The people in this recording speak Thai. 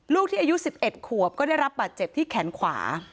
ลูกที่อายุ๑๑ขวบก็ได้รับบาดเจ็บที่แขนขวา